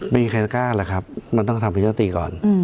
มีใครกล้าหรือครับมันต้องทำประชามติก่อน